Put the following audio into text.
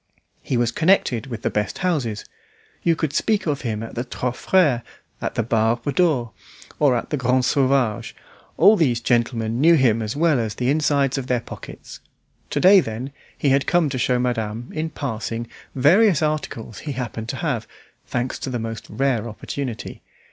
He was connected with the best houses. You could speak of him at the "Trois Freres," at the "Barbe d'Or," or at the "Grand Sauvage"; all these gentlemen knew him as well as the insides of their pockets. To day, then he had come to show madame, in passing, various articles he happened to have, thanks to the most rare opportunity.